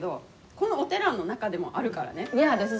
このお寺の中でもあるからね。